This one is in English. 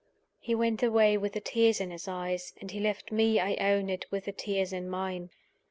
He went away with the tears in his eyes; and he left me, I own it, with the tears in mine.